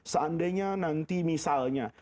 seandainya nanti misalnya